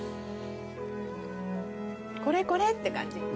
これこれって感じ。